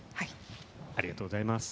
ありがとうございます。